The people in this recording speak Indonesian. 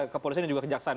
kepolisian dan juga kejaksaan